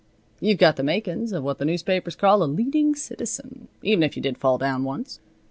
You've got the makin's of what the newspapers call a Leading Citizen, even if you did fall down once.